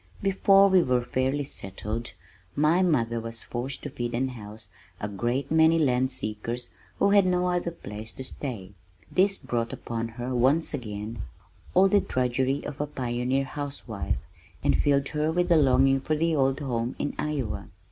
Before we were fairly settled, my mother was forced to feed and house a great many land seekers who had no other place to stay. This brought upon her once again all the drudgery of a pioneer house wife, and filled her with longing for the old home in Iowa.